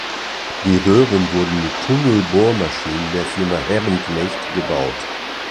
Die Röhren wurden mit Tunnelbohrmaschinen der Firma Herrenknecht gebaut.